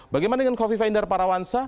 bagaimana dengan kofifa indar parawansa